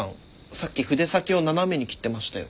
さっき筆先を斜めに切ってましたよ。